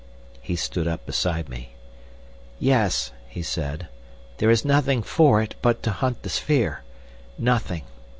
He stood up beside me. "Yes," he said, "there is nothing for it but to hunt the sphere. Nothing.